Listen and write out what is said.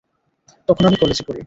তখন আমি কলেজে পড়ি।